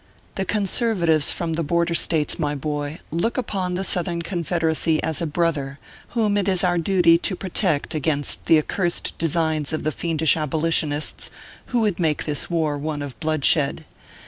The Conservatives from the Border States, my boy, look upon the Southern Confederacy as a brother, whom it is our duty to protect against the accursed designs of the fiendish Abolitionists, who would make ORPHEUS C. KERR PAPERS. 315 this war one of bloodshed.